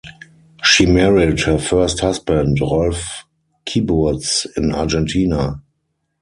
She married her first husband, Rolf Kyburz in Argentina.